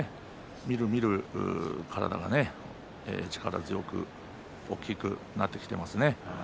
みるみる体が力強く大きくなってきていますね。